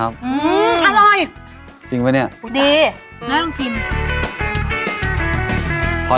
เออรสชาวของมังพุตร